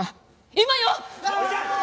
今よ！